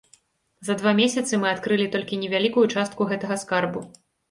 За два месяцы мы адкрылі толькі невялікую частку гэтага скарбу.